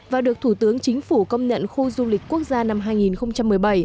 và được thủ tướng chính phủ công nhận khu du lịch quốc gia năm hai nghìn một mươi bảy